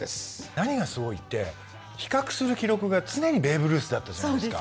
何がすごいって比較する記録が常にベーブ・ルースだったじゃないですか。